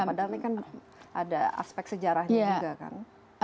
padahal ini kan ada aspek sejarahnya juga kan